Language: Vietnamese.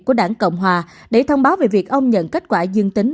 của đảng cộng hòa để thông báo về việc ông nhận kết quả dương tính